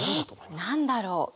何だろう？